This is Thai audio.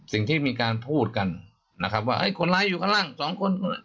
สิ่งที่มีการพูดกันว่าคนร้ายอยู่ข้างล่าง๒คน